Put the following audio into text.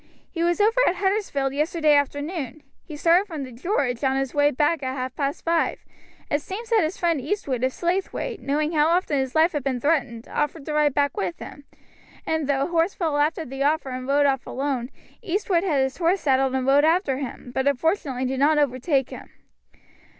He was over at Huddersfield yesterday afternoon; he started from the 'George' on his way back at half past five. It seems that his friend Eastwood, of Slaithwaite, knowing how often his life had been threatened, offered to ride back with him, and though Horsfall laughed at the offer and rode off alone, Eastwood had his horse saddled and rode after him, but unfortunately did not overtake him.